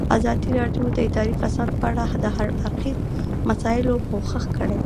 ازادي راډیو د اداري فساد په اړه د هر اړخیزو مسایلو پوښښ کړی.